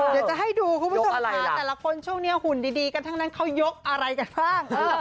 เดี๋ยวจะให้ดูคุณผู้ชมค่ะแต่ละคนช่วงนี้หุ่นดีกันทั้งนั้นเขายกอะไรกันบ้าง